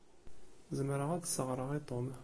Zemreɣ ad s-ɣṛeɣ i Tom.